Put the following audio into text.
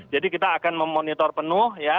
jadi kita akan memonitor penuh ya